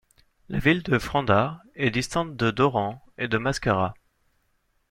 La ville de Frenda est distante de d’Oran, de de Mascara.